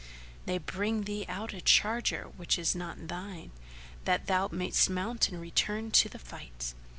they bring thee out a charger which is not thine, that thou mayst mount and return to the fight.